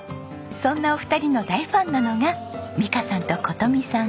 そんなお二人の大ファンなのが美香さんと琴美さん。